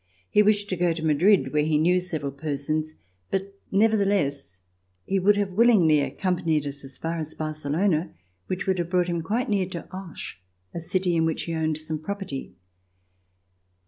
He wished to go to Madrid where he knew several persons, but, nevertheless, he would have willingly accompanied us as far as Barce lona, which would have brought him quite near to Auch, a city in which he owned some property.